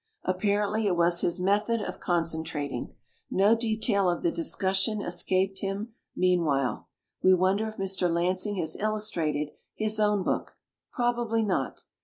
Apparently it was his method of con centrating. No detail of the discus sion escaped him meanwhile. We wonder if Mr. Lansing has illustrated his own book. Probably not.